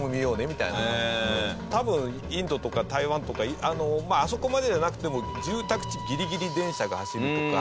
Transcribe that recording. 多分インドとか台湾とかあそこまでじゃなくても住宅地ギリギリ電車が走るとか。